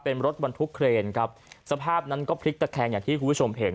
เป็นรถบรรทุกเครนครับสภาพนั้นก็พลิกตะแคงอย่างที่คุณผู้ชมเห็น